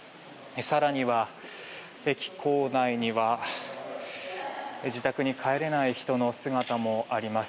更には、駅構内には自宅に帰れない人の姿もあります。